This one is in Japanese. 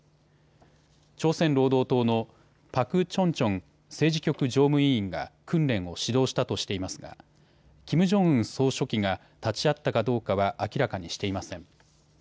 朝鮮労働党のパク・チョンチョン政治局常務委員が訓練を指導したとしていますがキム・ジョンウン総書記が、立ち会ったかどうかは明らかにしていません。